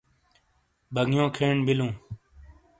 بانگیو کھین بِیلوں۔